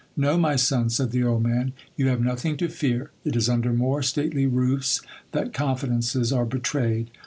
No, my son, said the old man, you have nothing to fear, it is under more stately roofs that confidences are betrayed.